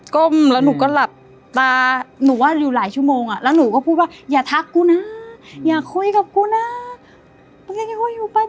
้มแล้วหนูก็หลับตาหนูว่าอยู่หลายชั่วโมงอ่ะแล้วหนูก็พูดว่าอย่าทักกูนะอย่าคุยกับกูนะ